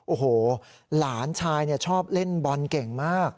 โอ้โหหลานชายชอบเล่นบอลเก่งมาก